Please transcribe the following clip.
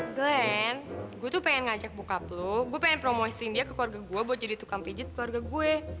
glenn gue tuh pengen ngajak buka plu gue pengen promosiin dia ke keluarga gue buat jadi tukang pijit keluarga gue